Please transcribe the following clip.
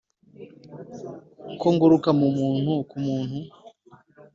ko nguruka mu muntu ku muntu,